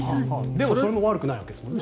でも、それも悪くないわけですよね。